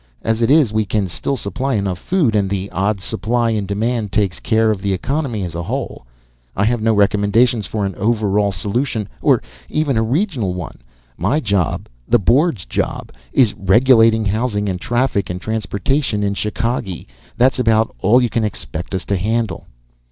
As it is, we can still supply enough food, and the old supply and demand takes care of the economy as a whole. I have no recommendations for an overall solution, or even a regional one. My job, the Board's job, is regulating housing and traffic and transportation in Chicagee. That's about all you can expect us to handle."